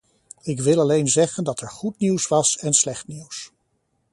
Ik wil alleen zeggen dat er goed nieuws was en slecht nieuws.